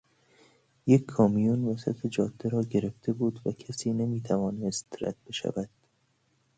یک کامیون وسط جاده را گرفته بود و کسی نمیتوانست رد بشود.